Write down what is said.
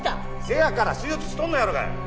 せやから手術しとんのやろが！